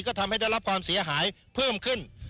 จะรับความเสียหายเพิ่มขึ้น